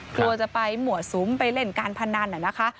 กลัวจะไปหมวดสุมไปเล่นการพนันนะคะ